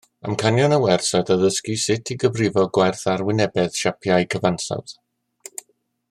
Amcanion y wers oedd addysgu sut i gyfrifo gwerth arwynebedd siapau cyfansawdd